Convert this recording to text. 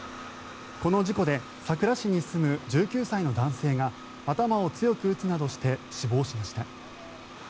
この事故で佐倉市に住む１９歳の男性が頭を強く打つなどして死亡しました。